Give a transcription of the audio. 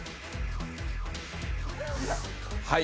はい。